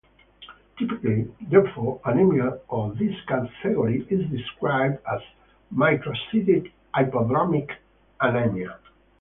Typically, therefore, anemia of this category is described as "microcytic, hypochromic anaemia".